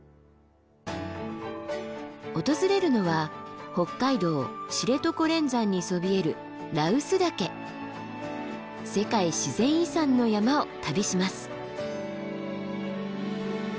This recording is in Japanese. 訪れるのは北海道知床連山にそびえる世界自然遺産の山を旅します。